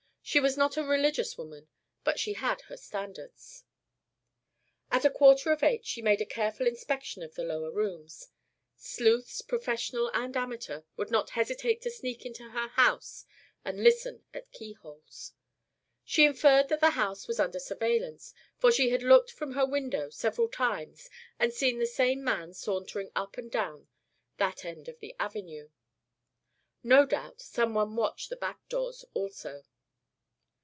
She was not a religious woman, but she had her standards. At a quarter of eight she made a careful inspection of the lower rooms; sleuths, professional and amateur, would not hesitate to sneak into her house and listen at keyholes. She inferred that the house was under surveillance, for she had looked from her window several times and seen the same man sauntering up and down that end of the avenue. No doubt some one watched the back doors also.